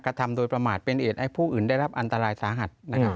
กระทำโดยประมาทเป็นเหตุให้ผู้อื่นได้รับอันตรายสาหัส